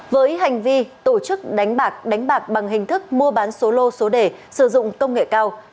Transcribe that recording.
với hành vi tổ chức đánh bạc đánh bạc bằng hình thức mua bán số lô số đề sử dụng công nghệ cao